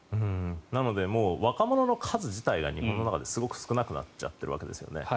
なのでもう若者の数自体が日本の中ですごく少なくなっちゃってるわけですよね。